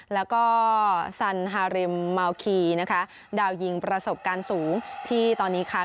แล้วก็สันฮาริมเมาคีนะคะดาวยิงประสบการณ์สูงที่ตอนนี้ค่ะ